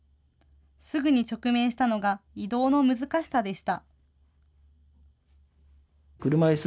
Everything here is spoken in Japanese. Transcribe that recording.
すぐに直面したのが移動の難しさでした。